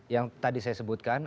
yang tadi saya sebutkan